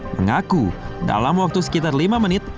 mengaku dalam waktu sekitar lima menit